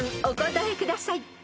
お答えください］